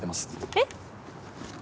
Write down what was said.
えっ？